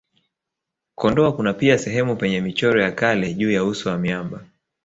Kondoa kuna pia sehemu penye michoro ya kale juu ya uso ya miamba